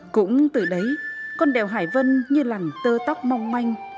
cũng từ đấy con đèo hải vân như làng tơ tóc mong manh